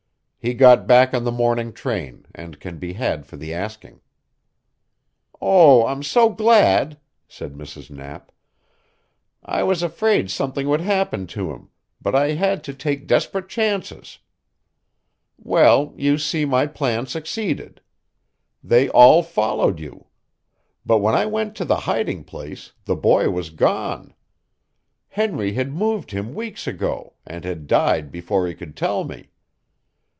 "He got back on the morning train, and can be had for the asking." "Oh, I'm so glad," said Mrs. Knapp. "I was afraid something would happen to him, but I had to take desperate chances. Well, you see my plan succeeded. They all followed you. But when I went to the hiding place the boy was gone. Henry had moved him weeks ago, and had died before he could tell me.